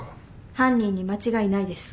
犯人に間違いないです。